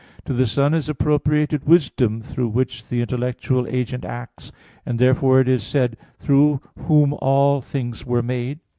To the Son is appropriated wisdom, through which the intellectual agent acts; and therefore it is said: "Through Whom all things were made."